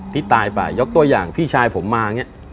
ที่ตายไปยกตัวอย่างพี่ชายผมมา